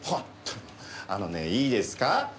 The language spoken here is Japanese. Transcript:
あのねいいですか？